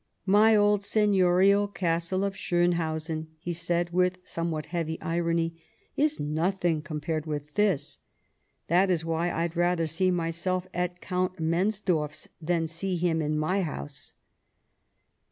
" My old seignorial castle of Schonhausen," he said with somewhat heavy irony, " is nothing com pared with this ; that is why I'd rather see myself at Count Mensdorff's than see him in my house."